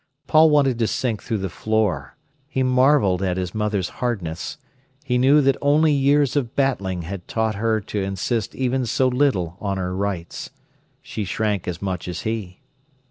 Paul wanted to sink through the floor. He marvelled at his mother's hardness. He knew that only years of battling had taught her to insist even so little on her rights. She shrank as much as he.